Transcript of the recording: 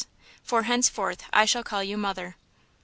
–For henceforth I shall call you mother."